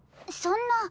そんな。